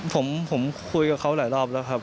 ผมคุยกับเขาหลายรอบแล้วครับ